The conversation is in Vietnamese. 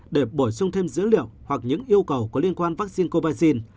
để bổ sung thêm dữ liệu hoặc những yêu cầu có liên quan vaccine covid